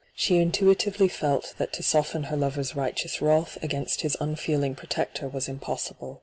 She intui tively felt that to soften her lover's righteous wrath against hia unfeeling protector was im possible.